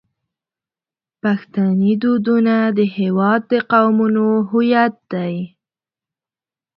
پښتني دودونه د هیواد د قومونو هویت دی.